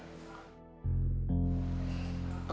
gak ada apa apa